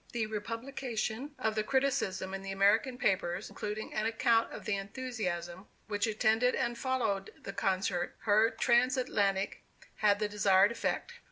The republication of the criticism in the American papers, including an account of the enthusiasm which attended and followed this concert, her trans Atlantic, had the desired effect.